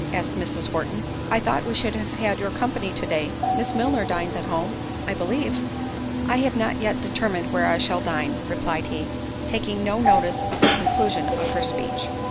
asked Mrs. Horton; "I thought we should have had your company to day; Miss Milner dines at home, I believe." "I have not yet determined where I shall dine," replied he, taking no notice of the conclusion of her speech.